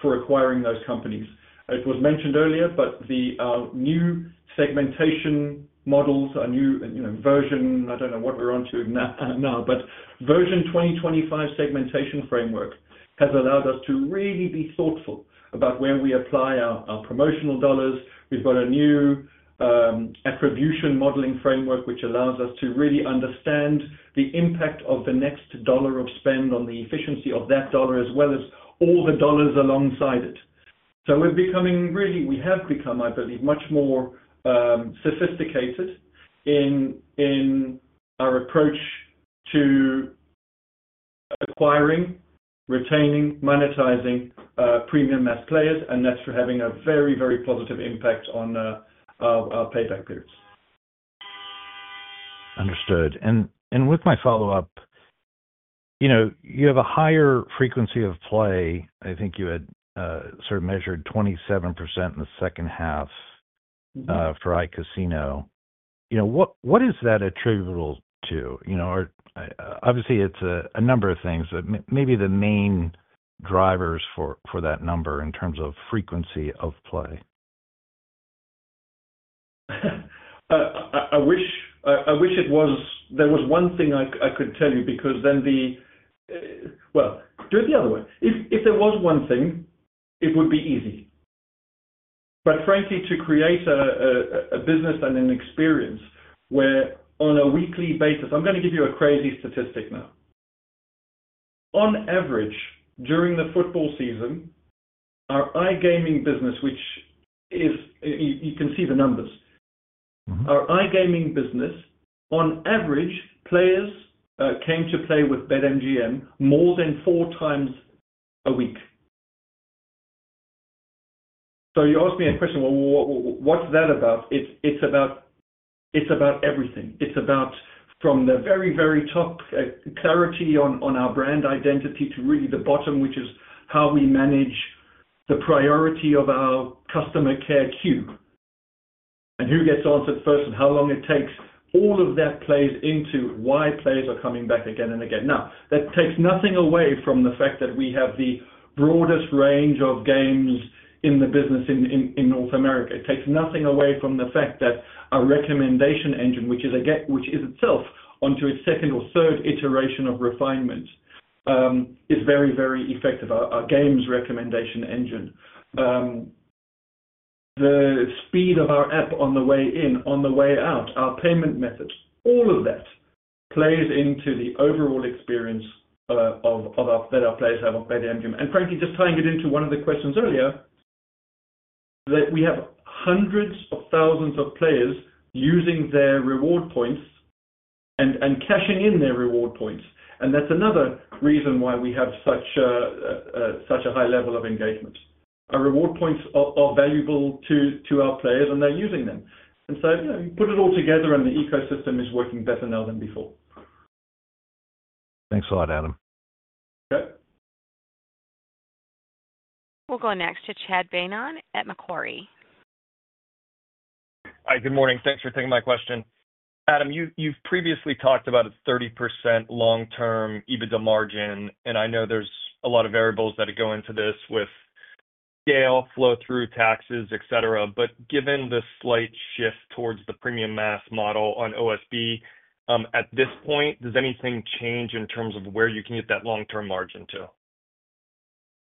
for acquiring those companies. It was mentioned earlier, but the new segmentation models, a new version, I don't know what we're on to now, but version 2025 segmentation framework has allowed us to really be thoughtful about where we apply our promotional dollars. We've got a new attribution modeling framework which allows us to really understand the impact of the next dollar of spend on the efficiency of that dollar as well as all the dollars alongside it. So we're becoming really - we have become, I believe, much more sophisticated in our approach to acquiring, retaining, monetizing premium mass players. And that's having a very, very positive impact on our payback periods. Understood. And with my follow-up, you have a higher frequency of play. I think you had sort of measured 27% in the second half for iGaming. What is that attributable to? Obviously, it's a number of things, but maybe the main drivers for that number in terms of frequency of play. I wish there was one thing I could tell you because then the - well, do it the other way. If there was one thing, it would be easy. But frankly, to create a business and an experience where on a weekly basis - I'm going to give you a crazy statistic now. On average, during the football season, our iGaming business, which you can see the numbers, our iGaming business, on average, players came to play with BetMGM more than four times a week. So you asked me a question, "Well, what's that about?" It's about everything. It's about from the very, very top clarity on our brand identity to really the bottom, which is how we manage the priority of our customer care queue, and who gets answered first and how long it takes, all of that plays into why players are coming back again and again. Now, that takes nothing away from the fact that we have the broadest range of games in the business in North America. It takes nothing away from the fact that our recommendation engine, which is itself onto its second or third iteration of refinement, is very, very effective, our games recommendation engine. The speed of our app on the way in, on the way out, our payment method, all of that plays into the overall experience that our players have on BetMGM. And frankly, just tying it into one of the questions earlier, that we have hundreds of thousands of players using their reward points and cashing in their reward points. And that's another reason why we have such a high level of engagement. Our reward points are valuable to our players, and they're using them. And so you put it all together, and the ecosystem is working better now than before. Thanks a lot, Adam. Okay. We'll go next to Chad Beynon at Macquarie. Hi, good morning. Thanks for taking my question. Adam, you've previously talked about a 30% long-term EBITDA margin, and I know there's a lot of variables that go into this with scale, flow-through taxes, etc. But given the slight shift towards the premium mass model on OSB at this point, does anything change in terms of where you can get that long-term margin to?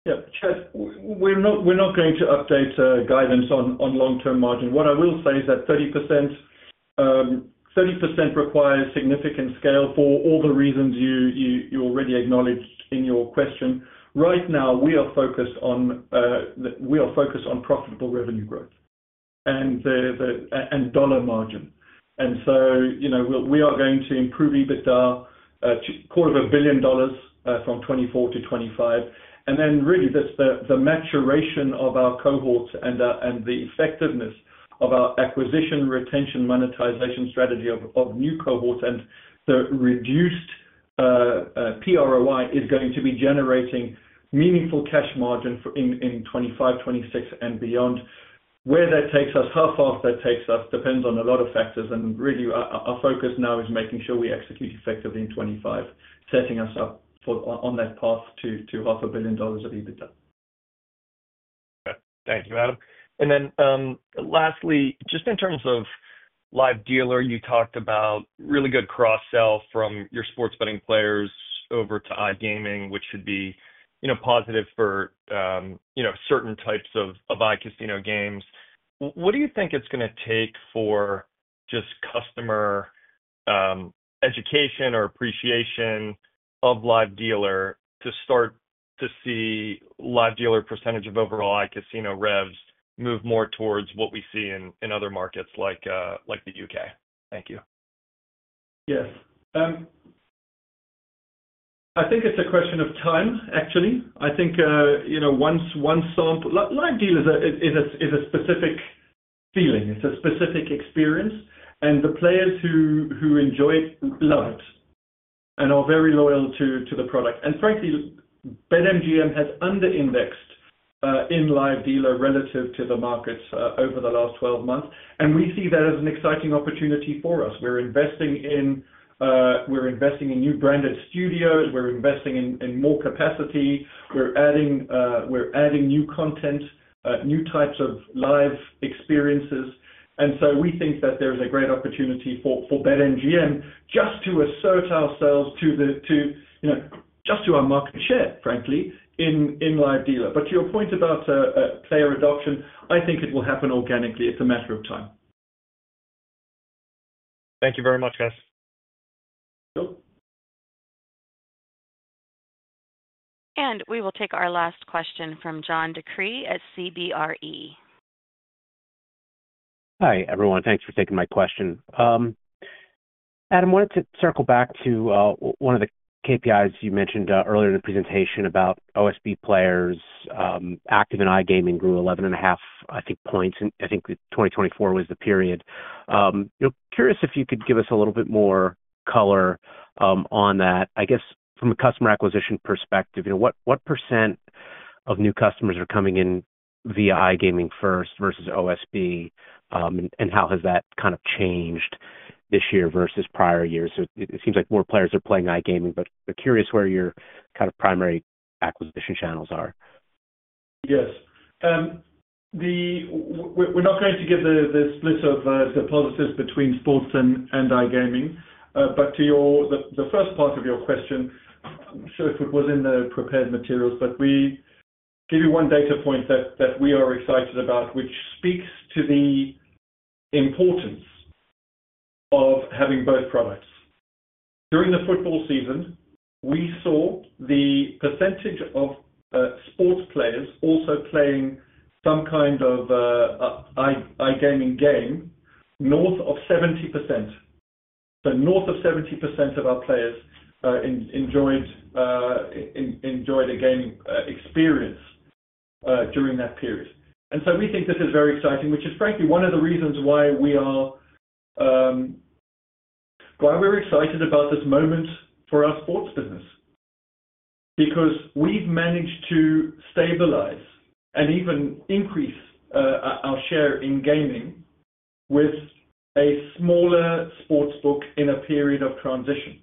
Yeah. Chad, we're not going to update guidance on long-term margin. What I will say is that 30% requires significant scale for all the reasons you already acknowledged in your question. Right now, we are focused on, we are focused on profitable revenue growth and dollar margin. And so we are going to improve EBITDA to $250 million from 2024 to 2025. And then really, the maturation of our cohorts and the effectiveness of our acquisition, retention, monetization strategy of new cohorts and the reduced PROI is going to be generating meaningful cash margin in 2025, 2026, and beyond. Where that takes us, how fast that takes us, depends on a lot of factors. Really, our focus now is making sure we execute effectively in 2025, setting us up on that path to $500 million of EBITDA. Okay. Thank you, Adam. Then lastly, just in terms of live dealer, you talked about really good cross-sell from your sports betting players over to iGaming, which should be positive for certain types of iCasino games. What do you think it's going to take for just customer education or appreciation of live dealer to start to see live dealer percentage of overall iCasino revs move more towards what we see in other markets like the U.K.? Thank you. Yes. I think it's a question of time, actually. I think once live dealers is a specific feeling. It's a specific experience. And the players who enjoy it love it and are very loyal to the product. Frankly, BetMGM has underindexed in live dealer relative to the markets over the last 12 months. We see that as an exciting opportunity for us. We're investing in new branded studios. We're investing in more capacity. We're adding new content, new types of live experiences. So we think that there is a great opportunity for BetMGM just to assert ourselves to just to our market share, frankly, in live dealer. But to your point about player adoption, I think it will happen organically. It's a matter of time. Thank you very much, guys. Cool. We will take our last question from John DeCree at CBRE. Hi, everyone. Thanks for taking my question. Adam, I wanted to circle back to one of the KPIs you mentioned earlier in the presentation about OSB players. Active in iGaming grew 11.5, I think, points. I think 2024 was the period. Curious if you could give us a little bit more color on that. I guess from a customer acquisition perspective, what % of new customers are coming in via iGaming first versus OSB? And how has that kind of changed this year versus prior years? It seems like more players are playing iGaming, but curious where your kind of primary acquisition channels are. Yes. We're not going to give the split of the positives between sports and iGaming. But to the first part of your question, I'm sure it was in the prepared materials, but we give you one data point that we are excited about, which speaks to the importance of having both products. During the football season, we saw the percentage of sports players also playing some kind of iGaming game north of 70%. So north of 70% of our players enjoyed a game experience during that period. And so we think this is very exciting, which is frankly one of the reasons why we are excited about this moment for our sports business. Because we've managed to stabilize and even increase our share in gaming with a smaller sports book in a period of transition.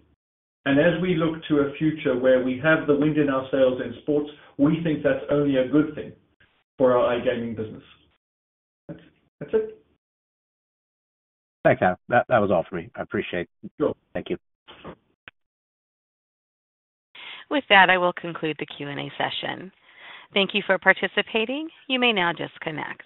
And as we look to a future where we have the wind in our sails in sports, we think that's only a good thing for our iGaming business. That's it. Thanks, Adam. That was all for me. I appreciate it. Thank you. With that, I will conclude the Q&A session. Thank you for participating. You may now disconnect.